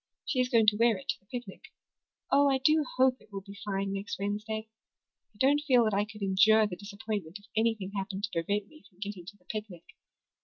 She is going to wear it to the picnic. Oh, I do hope it will be fine next Wednesday. I don't feel that I could endure the disappointment if anything happened to prevent me from getting to the picnic.